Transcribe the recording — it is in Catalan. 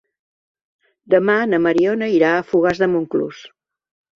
Demà na Mariona irà a Fogars de Montclús.